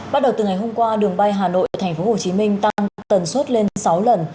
bắt đầu từ ngày hôm qua đường bay hà nội thành phố hồ chí minh tăng tần suất lên sáu lần